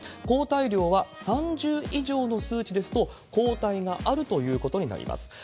抗体量は３０以上の数値ですと、抗体があるということになります。